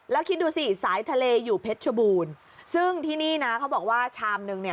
แล้วคิดดูสิสายทะเลอยู่เพชรชบูรณ์ซึ่งที่นี่นะเขาบอกว่าชามนึงเนี่ย